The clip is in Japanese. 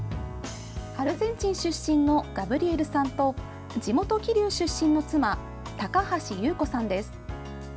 アルゼンチン出身のガブリエルさんと地元・桐生出身の妻高橋裕子さんです。